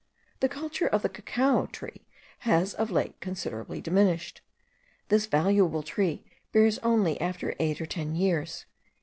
The culture of the cacao tree has of late considerably diminished. This valuable tree bears only after eight or ten years.